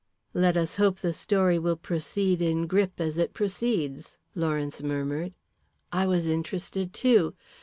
"Let us hope the story will proceed in grip as it proceeds," Lawrence murmured. "I was interested too.